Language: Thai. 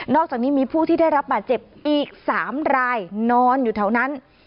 อกจากนี้มีผู้ที่ได้รับบาดเจ็บอีก๓รายนอนอยู่แถวนั้น